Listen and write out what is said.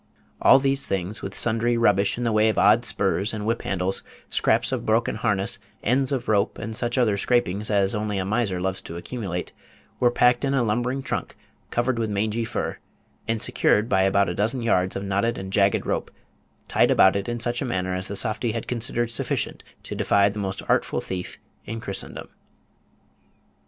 All these things, with sundry rubbish in the way of odd spurs and whip handles, scraps of broken harness, ends of rope, and such other scrapings as only a miser loves to accumulate, were packed in a lumbering trunk covered with mangy fur, and secured by about a dozen yards of knotted and jagged rope, tied about it in such a manner as the softy had considered sufficient to defy the most artful thief in Christendom.